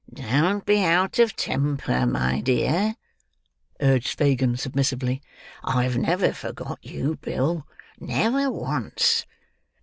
"Don't be out of temper, my dear," urged Fagin, submissively. "I have never forgot you, Bill; never once."